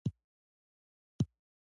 تر څو چې ژوندی يم له دې هڅې نه تېرېږم.